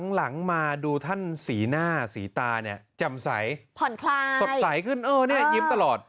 หลังมาดูท่านสีหน้าสีตาเนี่ยแจ่มใสผ่อนคลายสดใสขึ้นเออเนี่ยยิ้มตลอด